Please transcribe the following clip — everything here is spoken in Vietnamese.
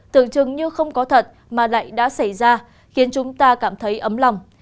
tưởng chừng như không có thật mà lại đã xảy ra khiến chúng ta cảm thấy ấm lòng